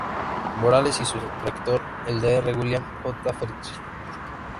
Morales y su rector, el Dr. William J. Fritz.